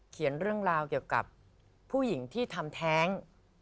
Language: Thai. เรื่องราวเกี่ยวกับผู้หญิงที่ทำแท้ง